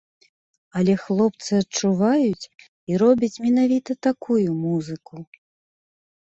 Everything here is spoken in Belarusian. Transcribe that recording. Але хлопцы адчуваюць і робяць менавіта такую музыку.